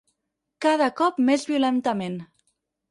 Cada cop més violentament.